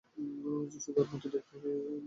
যশোদার মতো দেখতে, এই রাধার মেয়ে।